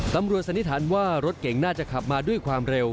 สันนิษฐานว่ารถเก่งน่าจะขับมาด้วยความเร็ว